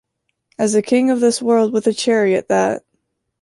as a king of this world with a chariot, that